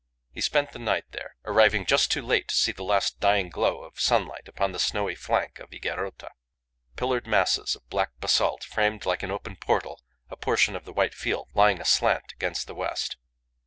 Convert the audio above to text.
He spent the night there, arriving just too late to see the last dying glow of sunlight upon the snowy flank of Higuerota. Pillared masses of black basalt framed like an open portal a portion of the white field lying aslant against the west.